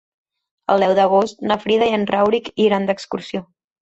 El deu d'agost na Frida i en Rauric iran d'excursió.